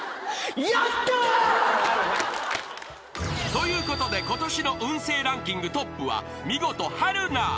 ［ということでことしの運勢ランキングトップは見事春菜。